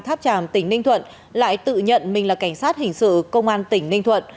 tháp tràm tỉnh ninh thuận lại tự nhận mình là cảnh sát hình sự công an tỉnh ninh thuận